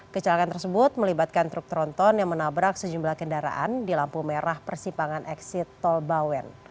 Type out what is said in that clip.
kecelakaan tersebut melibatkan truk tronton yang menabrak sejumlah kendaraan di lampu merah persimpangan eksit tol bawen